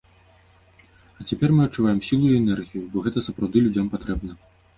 А цяпер мы адчуваем сілу і энергію, бо гэта сапраўды людзям патрэбна.